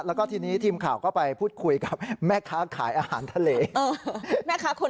แล้วก็ทีนี้ทีมข่าวก็ไปพูดคุยกับแม่ค้าขายอาหารทะเล